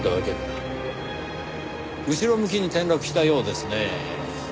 後ろ向きに転落したようですねぇ。